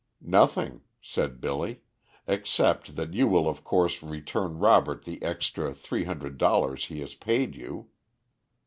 "Nothing," said Billy, "except that you will of course return Robert the extra three hundred dollars he has paid you."